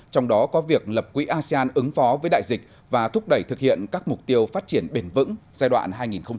trong đó có việc lập quỹ asean ứng phó với đại dịch và thúc đẩy thực hiện các mục tiêu phát triển bền vững giai đoạn hai nghìn ba mươi